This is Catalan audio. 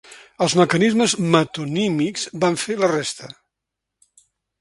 Els mecanismes metonímics van fer la resta.